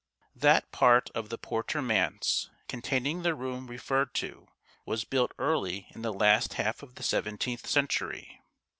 [That part of the Porter Manse containing the room referred to was built early in the last half of the seventeenth century.